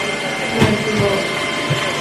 مجرا